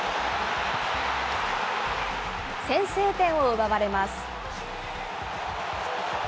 先制点を奪われます。